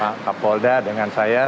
pak kapolda dengan saya